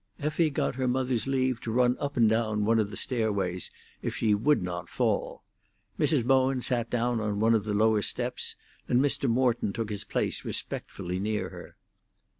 Effie got her mother's leave to run up and down one of the stairways, if she would not fall. Mrs. Bowen sat down on one of the lower steps, and Mr. Morton took his place respectfully near her.